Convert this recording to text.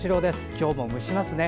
今日も蒸しますね。